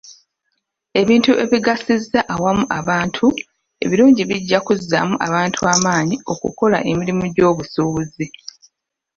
Ebintu ebigasiza awamu abantu ebirungi bijja kuzzaamu abantu amaanyi okukola emirimu gy'obusuubuzi.